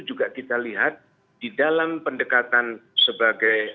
juga kita lihat di dalam pendekatan sebagai